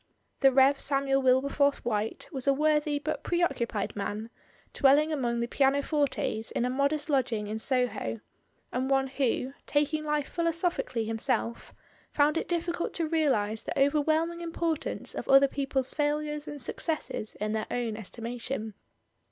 The Rev. Samuel Wilberforce White was a worthy but preoccupied man, dwelling among the piano fortes in a modest lodging in Soho, and one who, taking life philosophically himself, found it difficult to realise the overwhelming importance of other people's failures and successes in their own estima tion.